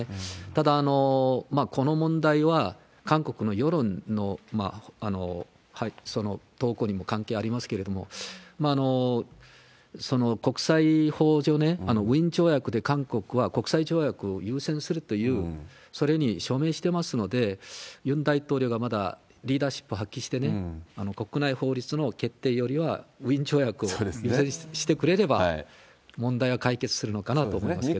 ただ、この問題は韓国の世論の動向にも関係ありますけれども、国際法上、ウィーン条約で、韓国は国際条約を優先するという、それに署名してますので、ユン大統領がまだリーダーシップを発揮してね、国内法律の決定よりは、ウィーン条約を優先してくれれば、問題は解決するのかなと思いますね。